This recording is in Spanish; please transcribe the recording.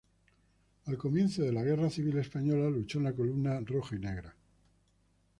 Al comienzo de la Guerra Civil Española, luchó en la Columna Roja y Negra.